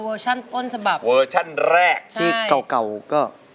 เพลงที่๒นี้มีมูลค่า๑๐๐๐๐บาทถ้าคุณหนุ่ยพร้อมแล้วอินโทรมาเลยครับ